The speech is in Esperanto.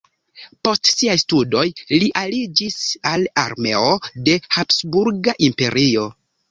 Post siaj studoj li aliĝis al armeo de Habsburga Imperio.